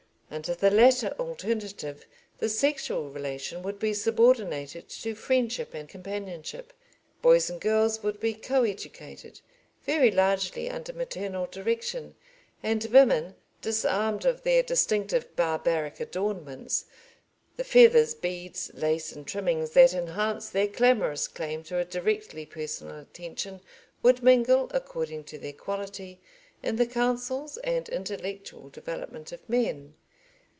Under the latter alternative the sexual relation would be subordinated to friendship and companionship; boys and girls would be co educated very largely under maternal direction, and women, disarmed of their distinctive barbaric adornments, the feathers, beads, lace, and trimmings that enhance their clamorous claim to a directly personal attention would mingle, according to their quality, in the counsels and intellectual development of men.